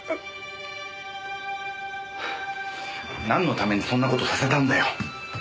なんのためにそんな事させたんだよ？